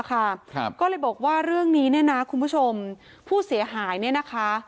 ก็เลยบอกว่าเรื่องนี้เนี่ยนะคุณผู้ชมผู้เสียหายเนี่ยนะคะ